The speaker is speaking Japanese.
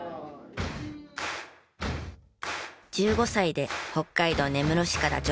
１５歳で北海道根室市から上京し入門。